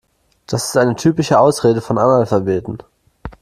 Das ist eine typische Ausrede von Analphabeten.